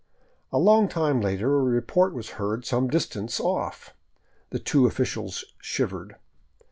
A long time later a report was heard some distance off. The two officials shivered.